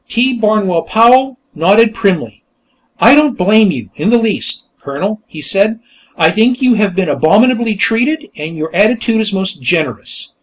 T. Barnwell Powell nodded primly. "I don't blame you, in the least, Colonel," he said. "I think you have been abominably treated, and your attitude is most generous."